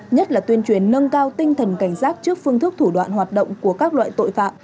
nhất là tuyên truyền nâng cao tinh thần cảnh giác trước phương thức thủ đoạn hoạt động của các loại tội phạm